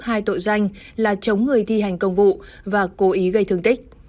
hai tội danh là chống người thi hành công vụ và cố ý gây thương tích